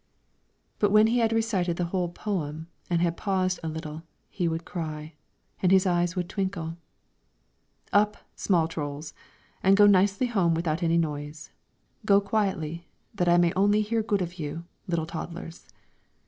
But when he had recited the whole poem and had paused a little, he would cry, and his eyes would twinkle, "Up, small trolls! and go nicely home without any noise, go quietly, that I may only hear good of you, little toddlers!"